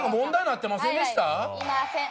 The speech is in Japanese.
いません。